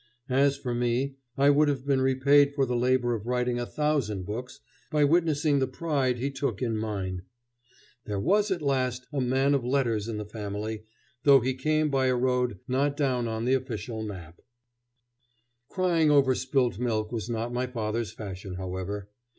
As for me, I would have been repaid for the labor of writing a thousand books by witnessing the pride he took in mine. There was at last a man of letters in the family, though he came by a road not down on the official map. [Illustration: Father.] Crying over spilt milk was not my father's fashion, however.